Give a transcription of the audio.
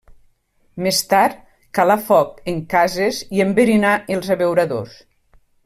Més tard, calar foc en cases i enverinar els abeuradors.